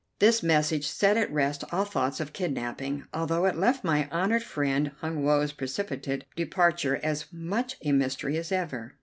This message set at rest all thoughts of kidnapping, although it left my honoured friend Hun Woe's precipitate departure as much a mystery as ever.